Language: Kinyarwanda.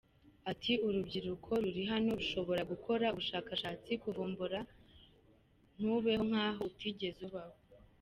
Ati “Urubyiruko ruri hano rushobora gukora ubushakashatsi, kuvumbura, ntubeho nk’aho utigeze ubaho.